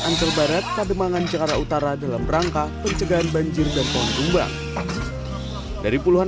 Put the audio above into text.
ancol barat kademangan cakara utara dalam rangka pencegahan banjir dan pohon rumbang dari puluhan